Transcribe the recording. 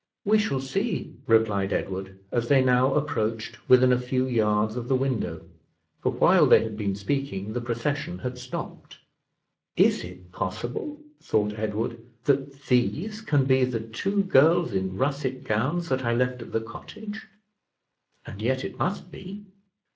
"We shall see," replied Edward, as they now approached within a few yards of the window; for while they had been speaking the procession had stopped. "Is it possible," thought Edward, "that these can be the two girls in russet gowns, that I left at the cottage? And yet it must be.